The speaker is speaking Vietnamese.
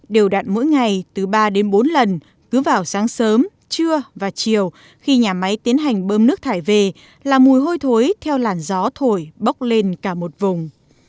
đều đặn mỗi ngày từ ba đến bốn lần cứ vào sáng sớm trưa và chiều khi nhà máy tiến hành bơm nước thải về là mùi hôi thối theo làn gió thổi bốc lên cả một vùng